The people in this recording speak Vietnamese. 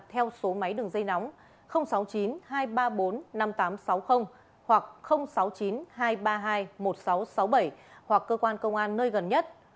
theo số máy đường dây nóng sáu mươi chín hai trăm ba mươi bốn năm nghìn tám trăm sáu mươi hoặc sáu mươi chín hai trăm ba mươi hai một nghìn sáu trăm sáu mươi bảy hoặc cơ quan công an nơi gần nhất